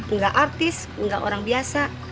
engga artis engga orang biasa